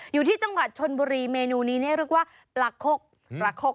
อยู่ที่จังหวัดชนบุรีเมนูนี้เนี่ยเรียกว่าปลาคกปลาคก